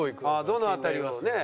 どの辺りをねえ。